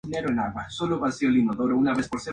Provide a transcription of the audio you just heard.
Poco más tarde fundaron la "Orquesta Casino de la Playa".